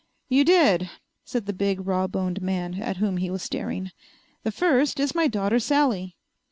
"You did," said the big, rawboned man at whom he was staring. "The first is my daughter Sally."